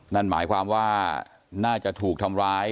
นั่นหมายความว่าน่าจะถูกทำร้าย